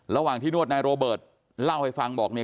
ระหว่างที่นวดนายโรเบิร์ตเล่าให้ฟังบอกเนี่ย